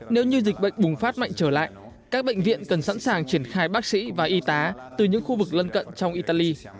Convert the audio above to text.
nếu như dịch bệnh bùng phát mạnh trở lại các bệnh viện cần sẵn sàng triển khai bác sĩ và y tá từ những khu vực lân cận trong italy